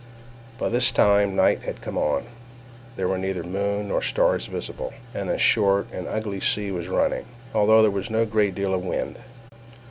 By this time night had come on—there were neither moon nor stars visible—and a short and ugly sea was running, although there was no great deal of wind.